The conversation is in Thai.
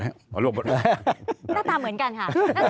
หน้าตาเหมือนกันค่ะ